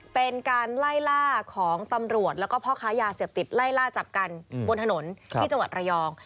เป็นการไล่ล่าของตำรวจแล้วก็พ่อค้ายาเสพติดไล่ล่าจับกันบนถนนที่จังหวัดระยอง